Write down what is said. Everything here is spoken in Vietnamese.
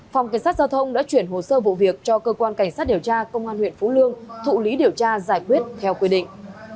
phòng cảnh sát giao thông đã chuyển hồ sơ vụ việc cho cơ quan cảnh sát điều tra công an huyện phú lương thụ lý điều tra giải quyết theo quy định